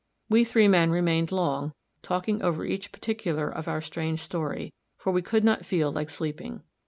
We three men remained long, talking over each particular of our strange story, for we could not feel like sleeping.